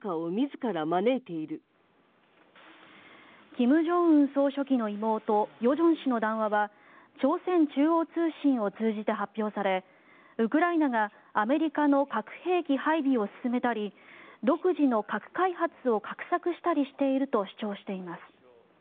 金正恩総書記の妹与正氏の談話は朝鮮中央通信を通じて発表されウクライナがアメリカの核兵器配備を進めたり独自の核開発を画策したりしていると主張しています。